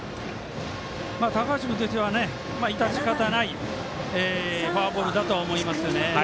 高橋君としては致し方ないフォアボールだとは思いますよね。